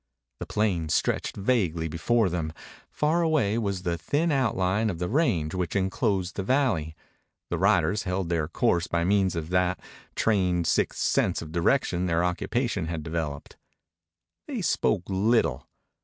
The plain stretched vaguely before them. Far away was the thin outline of the range which enclosed the valley. The riders held their course by means of that trained sixth sense of direction their occupation had developed. They spoke little.